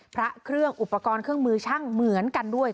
พระเครื่องอุปกรณ์เครื่องมือช่างเหมือนกันด้วย